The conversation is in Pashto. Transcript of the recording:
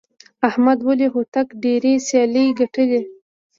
احمد ولي هوتک ډېرې سیالۍ ګټلي.